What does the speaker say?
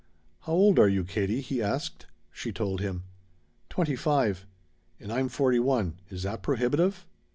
"How old are you, Katie?" he asked. She told him. "Twenty five. And I'm forty one. Is that prohibitive?"